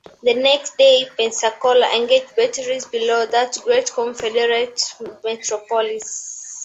The next day, "Pensacola" engaged batteries below that great Confederate metropolis.